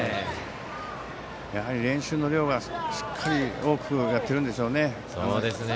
やはり練習の量がしっかり多くやっているんでしょうね。